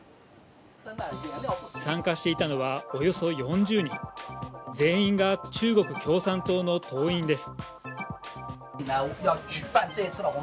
参加していたのはおよそ４０人、全員が中国共産党の党員です。